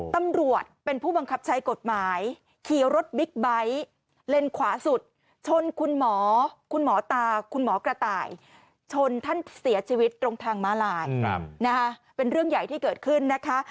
ตำรวจเป็นผู้บังคับใช้กฎหมายขี่รถบิ๊กไบท์เลนขวาสุดชนคุณหมอคุณหมอตาคุณหมอกระต่ายชนท่านเสียชีวิตตรงทางม้าลายเป็นเรื่องใหญ่ที่เกิดขึ้นนะคะ